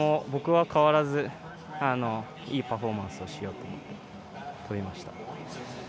僕は変わらずいいパフォーマンスをしようと飛びました。